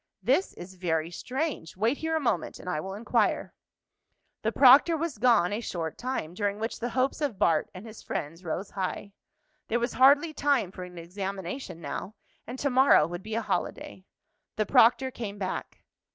"This is very strange. Wait here a moment, and I will inquire." The proctor was gone a short time, during which the hopes of Bart and his friends rose high. There was hardly time for an examination now, and to morrow would be a holiday. The proctor came back.